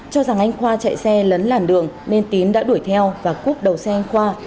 cho rằng anh khoa chạy xe lấn làn đường nên tín đã đuổi theo và cuốc đầu xe anh khoa